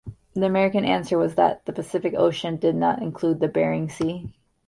The American answer was that the Pacific Ocean did not include the Bering Sea.